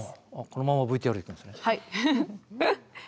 このままＶＴＲいくんですね。